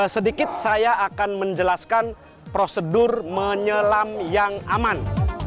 sedikit saya akan menjelaskan prosedur menyelam yang aman